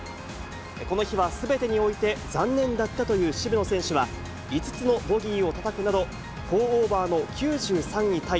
この日はすべてにおいて、残念だったという渋野選手は、５つのボギーをたたくなど、フォーオーバーの９３位タイ。